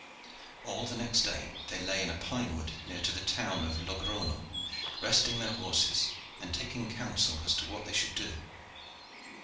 All the next day they lay in a pine wood near to the town of Logrono, resting their horses and taking counsel as to what they should do.